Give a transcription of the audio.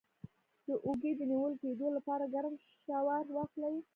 د اوږې د نیول کیدو لپاره ګرم شاور واخلئ